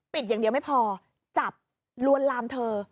อย่างเดียวไม่พอจับลวนลามเธอ